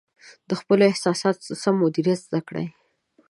د خپلو احساساتو سم مدیریت زده کړئ.